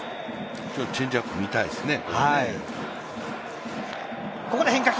今日、チェンジアップ見たいですね。